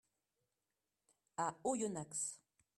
À Oyonnax.